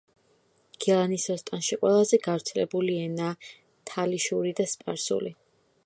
გილანის ოსტანში ყველაზე გავრცელებული ენაა თალიშური და სპარსული.